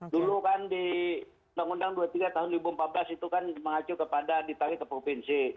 dulu kan di undang undang dua puluh tiga tahun dua ribu empat belas itu kan mengacu kepada ditarik ke provinsi